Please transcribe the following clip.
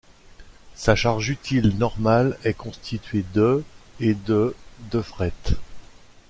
Sa charge utile normale est constituée de et de de fret.